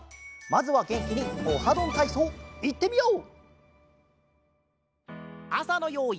まずはげんきに「オハどんたいそう」いってみよう！